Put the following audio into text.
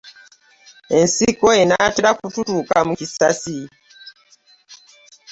Ensiko enaatera kututuuka mu kisasi!